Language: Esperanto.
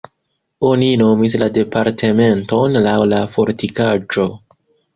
Oni nomis la departementon laŭ la fortikaĵo.